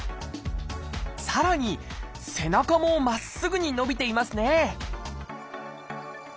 さらに背中もまっすぐに伸びていますね